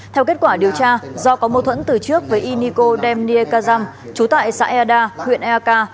theo kết quả điều tra do có mâu thuẫn từ trước với y niko dem nie kazam trú tại xã eda huyện elka